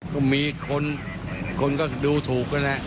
ก็มีคนคนก็ดูถูกกันแหละ